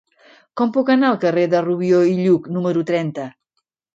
Com puc anar al carrer de Rubió i Lluch número trenta?